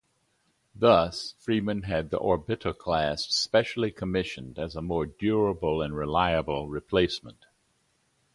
Thus, Freeman had the orbitoclast specially commissioned as a more durable and reliable replacement.